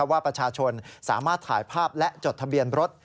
ว่าประชาชนสามารถถ่ายภาพและจดทะเบียนรถ